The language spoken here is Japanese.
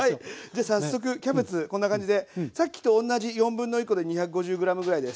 じゃ早速キャベツこんな感じでさっきと同じ1/4コで２５０ｇぐらいです。